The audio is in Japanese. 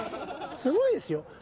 すごいですよ。